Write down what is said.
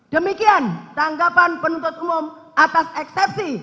demikian tanggapan penuntut umum atas eksepsi